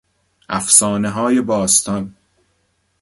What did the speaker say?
افسانههای باستان